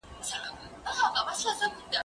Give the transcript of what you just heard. زه به اوږده موده تکړښت کړی وم